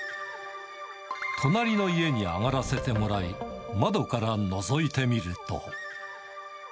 隣の家に上がらせてもらい、窓からのぞいてみると。